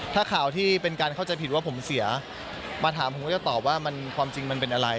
ถ้าข่าวที่เป็นการเข้าใจผิดว่าผมเสียมาถามผมก็จะตอบว่ามันความจริงมันเป็นอะไร